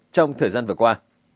trong thời gian vừa qua